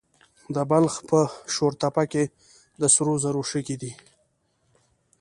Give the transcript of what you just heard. د بلخ په شورتپه کې د سرو زرو شګې دي.